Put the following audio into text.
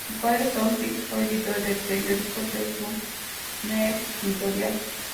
Su padre, Tom Prichard, fue editor del periódico "The Sun News-Pictorial".